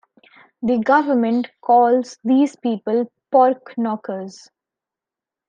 The government calls these people porknokkers.